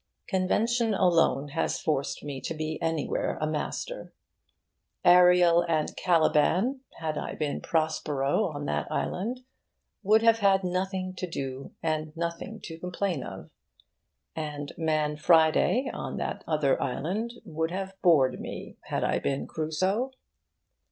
Convention alone has forced me to be anywhere a master. Ariel and Caliban, had I been Prospero on that island, would have had nothing to do and nothing to complain of; and Man Friday on that other island would have bored me, had I been Crusoe.